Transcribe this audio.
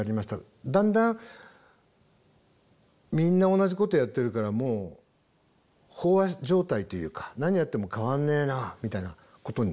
だんだんみんな同じことやってるからもう飽和状態というか何やっても変わんねえなみたいなことになります。